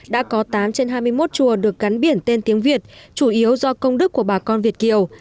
đã có tám trên hai mươi một chùa được gắn biển tên tiếng việt chủ yếu do công đức của bà con việt kiều